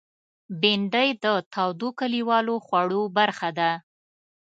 بېنډۍ د تودو کلیوالو خوړو برخه ده